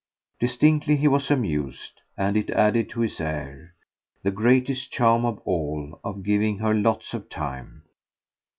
Distinctly he was amused, and it added to his air the greatest charm of all of giving her lots of time.